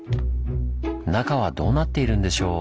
中はどうなっているんでしょう？